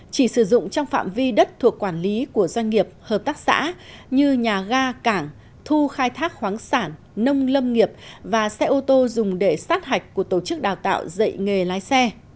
chỉ sử dụng trong phạm vi đất thuộc quản lý của doanh nghiệp hợp tác xã như nhà ga cảng thu khai thác khoáng sản nông lâm nghiệp và xe ô tô dùng để sát hạch của tổ chức đào tạo dạy nghề lái xe